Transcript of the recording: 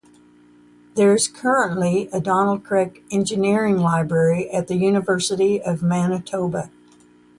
There is currently a Donald Craik Engineering Library at the University of Manitoba.